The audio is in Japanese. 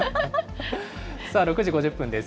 さあ６時５０分です。